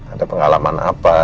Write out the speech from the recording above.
ada pengalaman apa